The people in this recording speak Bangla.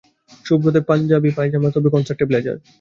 শুভ্র দেব পাঞ্জাবি পায়জামা, তবে কনসার্টে ব্লেজার।